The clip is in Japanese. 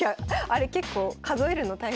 あれ結構数えるの大変。